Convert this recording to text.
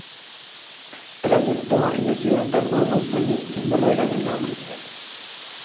Tras esto, la ciudad tardó dos años en volver a la normalidad.